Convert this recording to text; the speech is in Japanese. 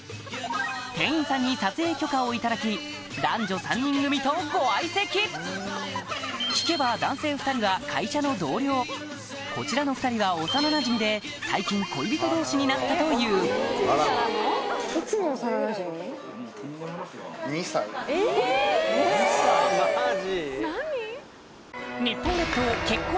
店員さんに撮影許可を頂き男女３人組とご相席聞けば男性２人は会社の同僚こちらの２人は幼なじみで最近恋人同士になったといううわマジ？